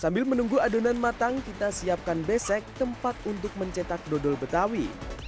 sambil menunggu adonan matang kita siapkan besek tempat untuk mencetak dodol betawi